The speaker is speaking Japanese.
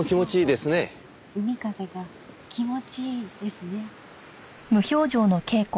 「海風が気持ちいいですね」。